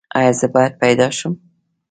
ایا زه باید پیدا شم؟